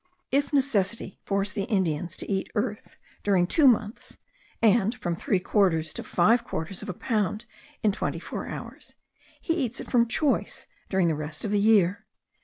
If necessity force the Indians to eat earth during two months (and from three quarters to five quarters of a pound in twenty four hours), he eats it from choice during the rest of the year.